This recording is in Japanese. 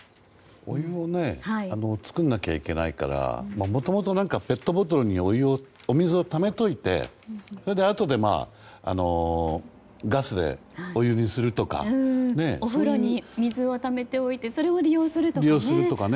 お湯を作らなきゃいけないからもともと、ペットボトルにお水をためておいてお風呂に水をためておいてそれを利用するとかね。